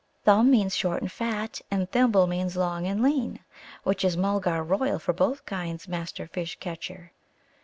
"'Thumb' means short and fat, and 'Thimble' means long and lean, which is Mulgar royal for both kinds, Master Fish catcher."